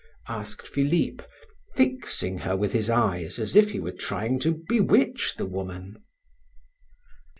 asked Philip, fixing her with his eyes as if he were trying to bewitch the woman.